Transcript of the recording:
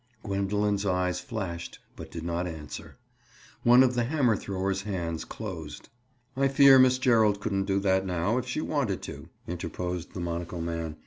Gwendoline's eyes flashed but she did not answer. One of the hammer thrower's hands closed. "I fear Miss Gerald couldn't do that now, if she wanted to," interposed the monocle man.